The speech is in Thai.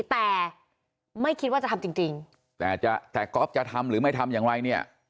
แต่ไม่คิดว่าจะทำจริงจริงแต่จะแต่ก๊อฟจะทำหรือไม่ทำอย่างไรเนี่ย